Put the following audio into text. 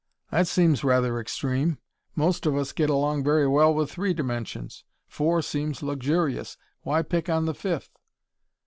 That seems rather extreme. Most of us get along very well with three dimensions. Four seems luxurious. Why pick on the fifth?"